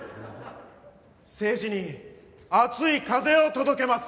政治に熱い風を届けます！